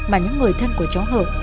mà những người thân của cháu hợp